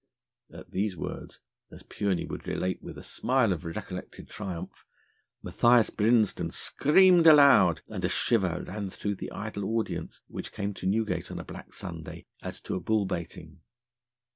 At these words, as Pureney would relate with a smile of recollected triumph, Matthias Brinsden screamed aloud, and a shiver ran through the idle audience which came to Newgate on a Black Sunday, as to a bull baiting.